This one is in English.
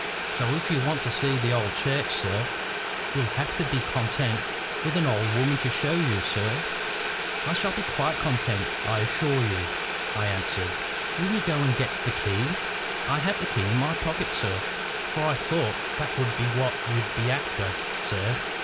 So if you want to see the old church, sir, you'll have to be content with an old woman to show you, sir." "I shall be quite content, I assure you," I answered. "Will you go and get the key?" "I have the key in my pocket, sir; for I thought that would be what you'd be after, sir.